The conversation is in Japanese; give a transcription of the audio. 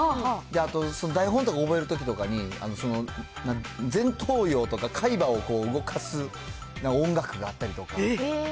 あと台本とか覚えるときとかに、その前頭葉とか海馬を動かす音楽があったりとか。